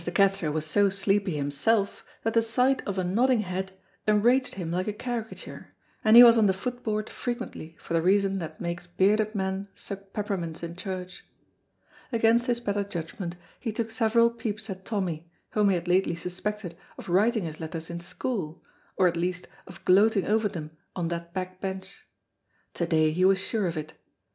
Cathro was so sleepy himself that the sight of a nodding head enraged him like a caricature, and he was on the foot board frequently for the reason that makes bearded men suck peppermints in church. Against his better judgment he took several peeps at Tommy, whom he had lately suspected of writing his letters in school or at least of gloating over them on that back bench. To day he was sure of it.